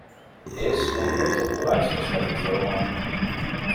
És un dels ungulats més petits del món.